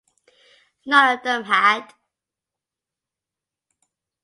None of them had.